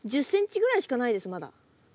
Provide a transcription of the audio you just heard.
１０ｃｍぐらいしかないですまだ。